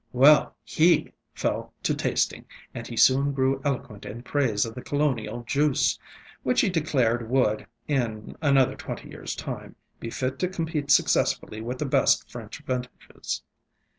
Well, he fell to tasting, and he soon grew eloquent in praise of the colonial juice, which he declared would, in another twenty yearsŌĆÖ time, be fit to compete successfully with the best French vintages.